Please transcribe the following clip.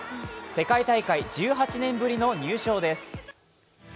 世界大会１８年ぶりの入賞です。